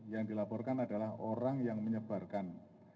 yang dilaporkan adalah orang yang menyebarkan